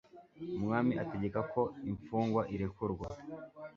umwami ategeka ko imfungwa irekurwa